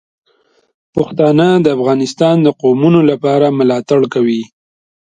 پښتانه د افغانستان د قومونو لپاره ملاتړ کوي.